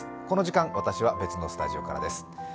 この時間、私は別のスタジオからです。